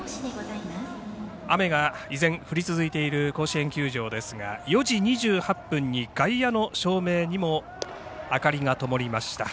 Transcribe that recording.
雨が依然、降り続いている甲子園球場ですが４時２８分に外野の照明にも明かりがともりました。